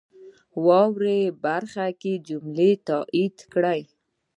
واورئ برخه کې جملې تایید کړئ.